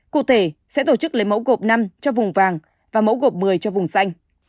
cụ thể sẽ tổ chức lấy mẫu gộp năm cho vùng vàng và mẫu gộp một mươi cho vùng xanh